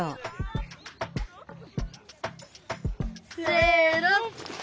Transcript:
せの！